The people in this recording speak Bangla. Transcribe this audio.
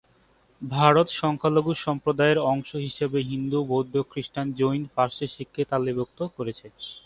ভারত সংখ্যালঘু সম্প্রদায়ের অংশ হিসেবে হিন্দু-বৌদ্ধ-খ্রিস্টান-জৈন-পার্সি-শিখ কে তালিকাভুক্ত করেছে।